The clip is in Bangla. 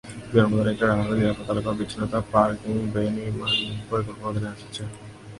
বিমানবন্দরে একটি রানওয়ে নিরাপত্তা এলাকা এবং বিচ্ছিন্নতা পার্কিং বে নির্মাণ পরিকল্পনার অধীনে রয়েছে।